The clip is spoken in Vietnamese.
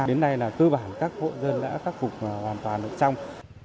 đến nay là cơ bản các hộ dân đã khắc phục hoàn toàn được trong